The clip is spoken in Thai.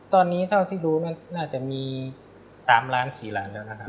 ตอนนี้เท่าที่ดูน่าจะมี๓๔ล้านเป็นลูกครับ